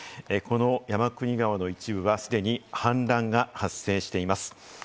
山国川の一部が既に氾濫が発生しています。